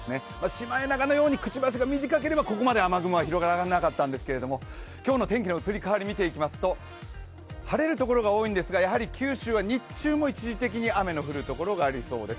シマエナガのようにくちばしが短ければここまで雨雲は広がらなかったんですけど今日の天気の移り変わり見ていきますと晴れるところが多いんですが九州は日中も一時的に雨の降るところがありそうです。